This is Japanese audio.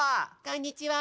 こんにちは！